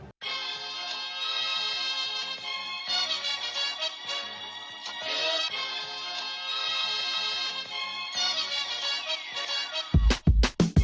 masih sama sama dari benua biru eropa